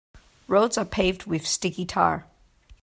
Roads are paved with sticky tar.